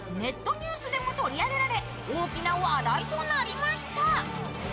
ニュースでも取り上げられ大きな話題となりました。